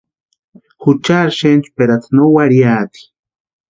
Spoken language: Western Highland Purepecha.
Juchari xenchperata no warhiati.